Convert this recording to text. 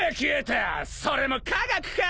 それも科学か？